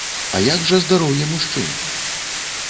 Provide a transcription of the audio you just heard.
А як жа здароўе мужчын?